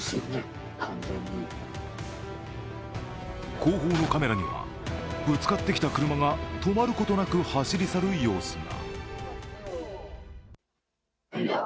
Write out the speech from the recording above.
後方のカメラにはぶつかってきた車が止まることなく走り去る様子が。